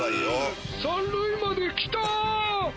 三塁まで来たー！